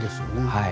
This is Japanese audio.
はい。